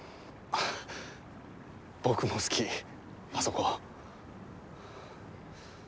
僕も好きあそこ。